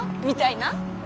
みたいな。